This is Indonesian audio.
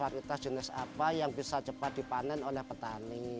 kualitas jenis apa yang bisa cepat dipanen oleh petani